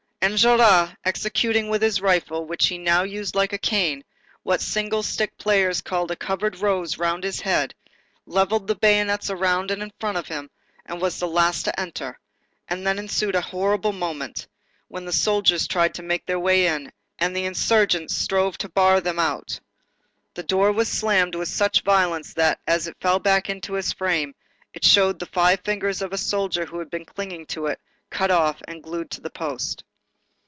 Enjolras, executing with his rifle, which he now used like a cane, what single stick players call a "covered rose" round his head, levelled the bayonets around and in front of him, and was the last to enter; and then ensued a horrible moment, when the soldiers tried to make their way in, and the insurgents strove to bar them out. The door was slammed with such violence, that, as it fell back into its frame, it showed the five fingers of a soldier who had been clinging to it, cut off and glued to the post.